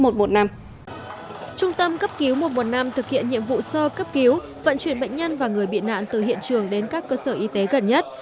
trung tâm cấp cứu một trăm một mươi năm thực hiện nhiệm vụ sơ cấp cứu vận chuyển bệnh nhân và người bị nạn từ hiện trường đến các cơ sở y tế gần nhất